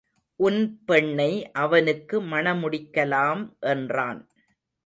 உன் பெண்ணை அவனுக்கு மண முடிக்கலாம் என்றான்.